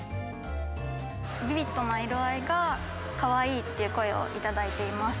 ビビッドな色合いがかわいいっていう声を頂いています。